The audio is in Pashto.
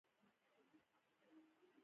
ایا زه باید ګوړه وخورم؟